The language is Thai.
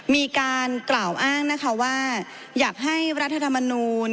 มีการกล่าวอ้างนะคะว่าอยากให้รัฐธรรมนูล